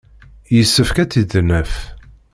Yessefk ad tt-id-naf.